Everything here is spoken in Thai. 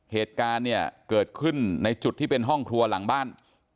เหตุการณ์เนี่ยเกิดขึ้นในจุดที่เป็นห้องครัวหลังบ้าน